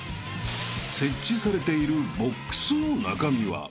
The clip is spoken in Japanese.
［設置されているボックスの中身は？］